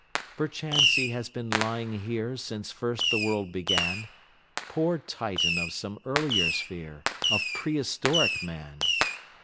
Perchance he has been lying here Since first the world began, Poor Titan of some earlier sphere Of prehistoric Man!